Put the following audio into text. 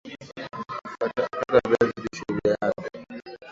kata viazi lishe viande